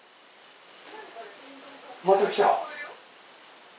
またきた！